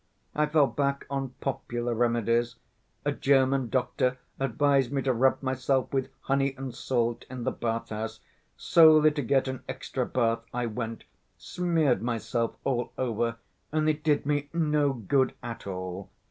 I fell back on popular remedies, a German doctor advised me to rub myself with honey and salt in the bath‐house. Solely to get an extra bath I went, smeared myself all over and it did me no good at all.